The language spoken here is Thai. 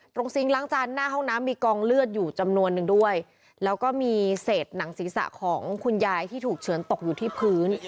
ซิงค์ล้างจานหน้าห้องน้ำมีกองเลือดอยู่จำนวนนึงด้วยแล้วก็มีเศษหนังศีรษะของคุณยายที่ถูกเฉือนตกอยู่ที่พื้น